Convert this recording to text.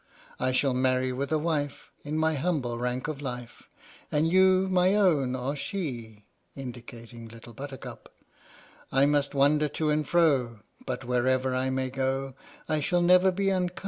I shall marry with a wife In my humble rank of life, And you, my own, are she! [Indicating LITTLE BUTTERCUP. I must wander to and fro, But, wherever I may go, I shall never be unkind to thee!